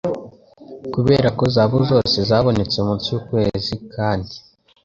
kubera ko zahabu zose zabonetse munsi yukwezi kandi